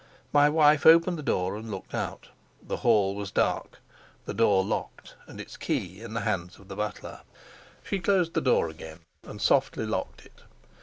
My wife opened the door and looked out. The hall was dark, the door locked and its key in the hands of the butler. She closed the door again and softly locked it.